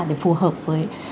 để phù hợp với